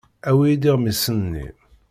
Awi-iyi-d iɣmisen-nni.